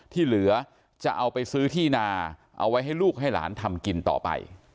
ที่เหลือจะเอาไปซื้อที่นาเอาไว้ให้ลูกให้หลานทำกินต่อไป